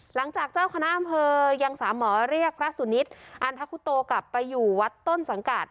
เจ้าคณะอำเภอยังสามหมอเรียกพระสุนิทอันทุโตกลับไปอยู่วัดต้นสังกัด